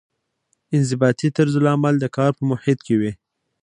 انضباطي طرزالعمل د کار په محیط کې وي.